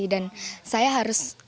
dan saya harus